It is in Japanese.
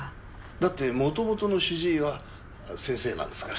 だって元々の主治医は先生なんですから。